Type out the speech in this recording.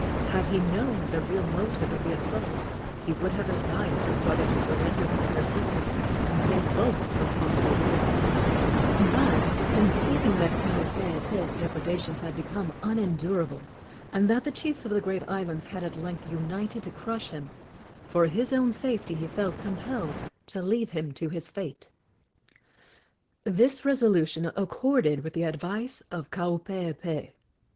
Had he known the real motive of the assault he would have advised his brother to surrender his fair prisoner and save both from possible ruin; but, conceiving that Kaupeepee's depredations had become unendurable, and that the chiefs of the great islands had at length united to crush him, for his own safety he felt compelled to leave him to his fate. This resolution accorded with the advice of Kaupeepee.